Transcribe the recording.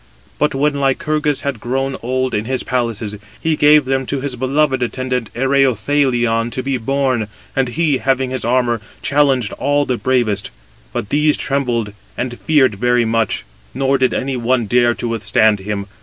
But when Lycurgus had grown old in his palaces, he gave them to his beloved attendant Ereuthalion, to be borne: and he, having his armour, challenged all the bravest: but these trembled and feared very much: nor did any one dare [to withstand him].